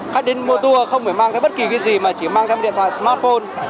khách đến mua tour không phải mang thêm bất kỳ cái gì mà chỉ mang thêm điện thoại smartphone